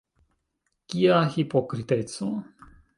Kia hipokriteco!